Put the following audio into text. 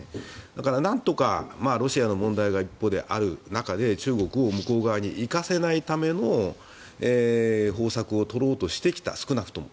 だから、なんとかロシアの問題が一方である中で中国を向こう側に行かせないための方策を取ろうとしてきた少なくとも。